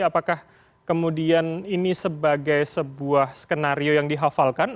apakah kemudian ini sebagai sebuah skenario yang dihafalkan